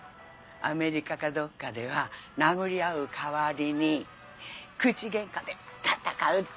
アメリカかどっかでは殴り合う代わりに口喧嘩で戦うって。